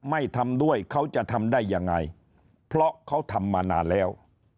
ไม่ทำด้วยเขาจะทำได้ยังไงเพราะเขาทำมานานแล้ว